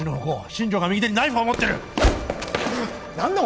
新城が右手にナイフを持ってる何だ